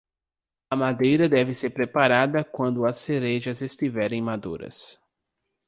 A madeira deve ser preparada quando as cerejas estiverem maduras.